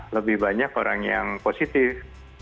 lebih banyak orang yang positif